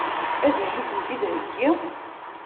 Ad iyi-ten-id-theggi?